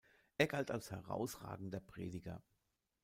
Er galt als herausragender Prediger.